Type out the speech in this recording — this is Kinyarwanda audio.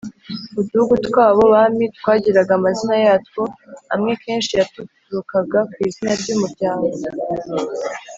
-uduhugu tw’abo bami twagiraga amazina yatwo. amwe kenshi yaturukaga kw’izina ry’umuryango